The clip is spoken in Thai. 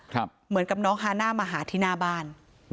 เหมือนกับน้องฮาน่ามาหาที่หน้าบ้าน